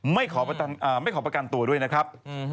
ไม่ขอประกันตัวด้วยนะครับ